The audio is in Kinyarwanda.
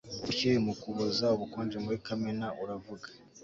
Ubushyuhe mu Kuboza ubukonje muri Kamena uravuga